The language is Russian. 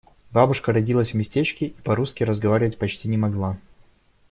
Бабушка родилась в местечке и по-русски разговаривать почти не могла.